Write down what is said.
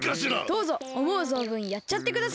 どうぞおもうぞんぶんやっちゃってください。